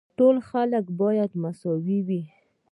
ټول خلک باید مساوي وي.